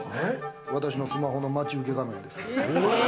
私のスマホの待ち受け画面ですけれど。